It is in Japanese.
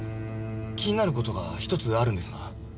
気になる事が一つあるんですが。